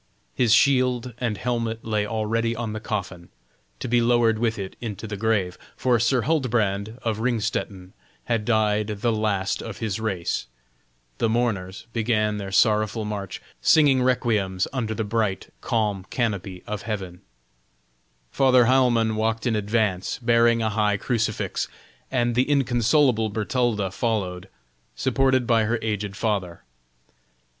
His shield and helmet lay already on the coffin, to be lowered with it into the grave, for Sir Huldbrand, of Ringstetten, had died the last of his race; the mourners began their sorrowful march, singing requiems under the bright, calm canopy of heaven; Father Heilmann walked in advance, bearing a high crucifix, and the inconsolable Bertalda followed, supported by her aged father.